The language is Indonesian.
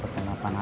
pesan berapa mas